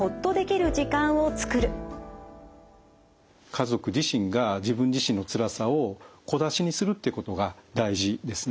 家族自身が自分自身のつらさを小出しにするってことが大事ですね。